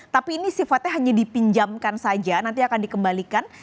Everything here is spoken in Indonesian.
tapi ini sifatnya hanya dipinjamkan saja nanti akan dikembalikan